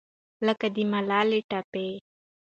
لکه د ملالې ټپه